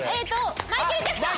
マイケル・ジャクソン！